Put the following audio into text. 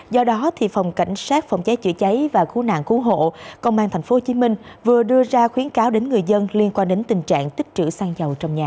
do đó phòng cảnh sát phòng cháy chữa cháy và cứu nạn cứu hộ công an tp hcm vừa đưa ra khuyến cáo đến người dân liên quan đến tình trạng tích trữ xăng dầu trong nhà